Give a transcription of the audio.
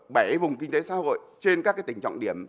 bảy vùng kinh tế xã hội trên các tỉnh trọng điểm